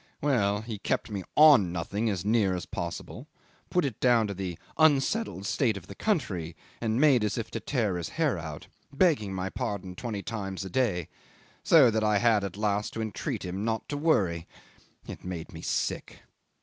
Well he kept me on nothing as near as possible. Put it down to the unsettled state of the country, and made as if to tear his hair out, begging my pardon twenty times a day, so that I had at last to entreat him not to worry. It made me sick.